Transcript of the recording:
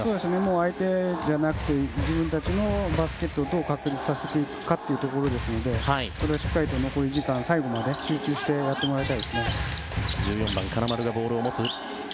相手じゃなくて自分たちのバスケットをどう確立させていくかというところですのでそれをしっかりと残り時間最後まで集中してやってもらいたいですね。